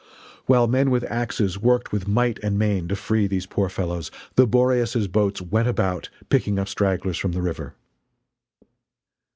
While men with axes worked with might and main to free these poor fellows, the Boreas's boats went about, picking up stragglers from the river.